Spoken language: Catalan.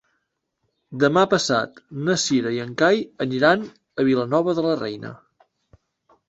Demà passat na Cira i en Cai aniran a Vilanova de la Reina.